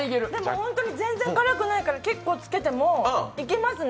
本当に全然辛くないから、結構つけてもいけますね。